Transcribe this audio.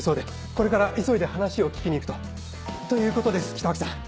これから急いで話を聞きに行くと。ということです北脇さん。